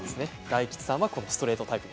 大吉さんはストレートタイプ。